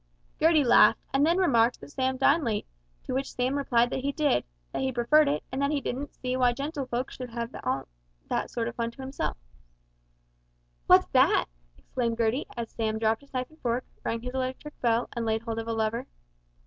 Gertie laughed, and then remarked that Sam dined late, to which Sam replied that he did, that he preferred it, and that he didn't see why gentlefolk should have that sort of fun all to themselves. "What's that?" exclaimed Gertie, as Sam dropped his knife and fork, rang his electric bell, and laid hold of a lever.